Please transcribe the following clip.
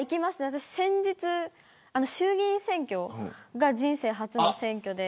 私、先日、衆議院選挙が人生初の選挙で。